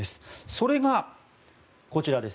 それが、こちらです。